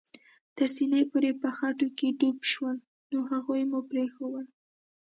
تر سېنې پورې په خټو کې ډوب شول، نو هغوی مو پرېښوول.